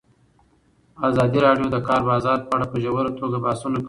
ازادي راډیو د د کار بازار په اړه په ژوره توګه بحثونه کړي.